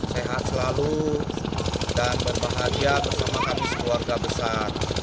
sehat selalu dan berbahagia bersama kami sebuah warga besar